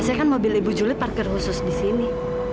biasanya kan mobil ibu juli parkir khusus di sini